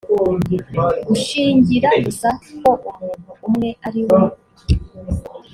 gushingira gusa ko umuntu umwe ari we